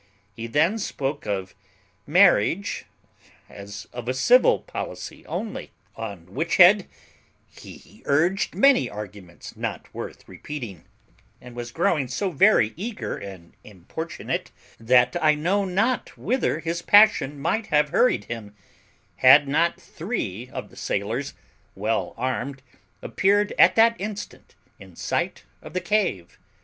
He then spoke of marriage as of a civil policy only, on which head he urged many arguments not worth repeating, and was growing so very eager and importunate that I know not whither his passion might have hurried him had not three of the sailors, well armed, appeared at that instant in sight of the cave.